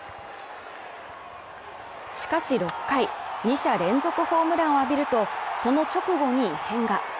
しかし６回二者連続ホームランを浴びるとその直後に異変が。